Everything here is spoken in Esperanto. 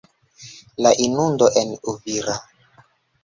La inundo en Uvira.